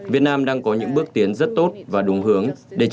việt nam đang có những bước tiến rất tốt và đúng hướng